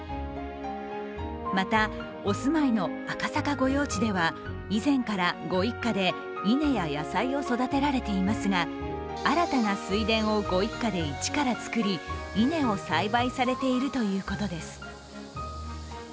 また、お住まいの赤坂御用地では以前からご一家で稲や野菜を育てられていますが新たな水田をご一家で一から作り、稲を栽培されているということです。